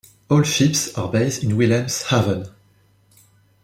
All ships are based in Wilhelmshaven.